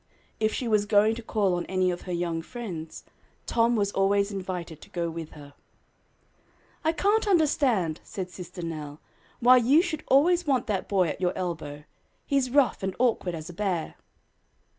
If she was going to call on any of her young friends, Tom was always invited to go with her. "I can't understand," said Sister Nell, "why you should always want that boy at your elbow; he's rough and awkward as a bear."